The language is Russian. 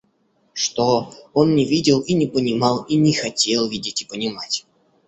Что — он не видел и не понимал и не хотел видеть и понимать.